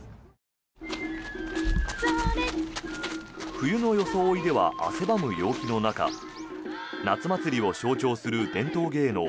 冬の装いでは汗ばむ陽気の中夏祭りを象徴する伝統芸能